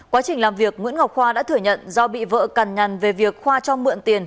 quá trình làm việc nguyễn ngọc khoa đã thừa nhận do bị vợ cằn nhằn về việc khoa cho mượn tiền